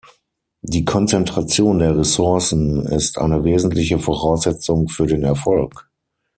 Die Konzentration der Ressourcen ist eine wesentliche Voraussetzung für den Erfolg.